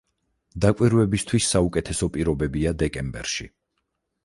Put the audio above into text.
დაკვირვებისათვის საუკეთესო პირობებია დეკემბერში.